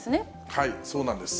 はい、そうなんです。